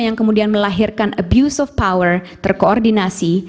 yang kemudian melahirkan abuse of power terkoordinasi